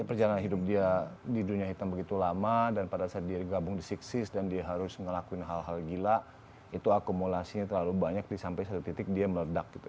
perjalanan hidup dia di dunia hitam begitu lama dan pada saat dia gabung di enam seas dan dia harus ngelakuin hal hal gila itu akumulasinya terlalu banyak sampai satu titik dia meledak gitu